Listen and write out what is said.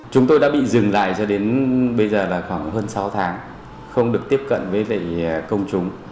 chúng tôi đã bị dừng lại cho đến bây giờ là khoảng hơn sáu tháng không được tiếp cận với công chúng